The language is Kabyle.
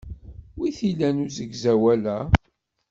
Wi t-ilan usegzawal-a?